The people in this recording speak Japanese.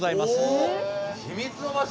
お秘密の場所！